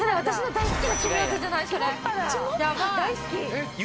大好き！